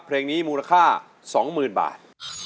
เพลงนี้มูลค่า๒๐๐๐บาท